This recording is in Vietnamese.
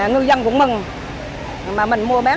ngư dân cũng mừng mà mình mua bán